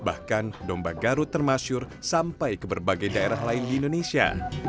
bahkan domba garut termasyur sampai ke berbagai daerah lain di indonesia